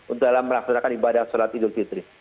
untuk dalam melaksanakan ibadah sholat idul fitri